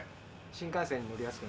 新幹線に乗りやすく。